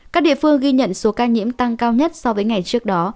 các địa phương ghi nhận số ca nhiễm tăng cao nhất so với ngày trước đó